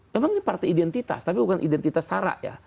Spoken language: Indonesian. memang ini partai identitas tapi bukan identitas sara ya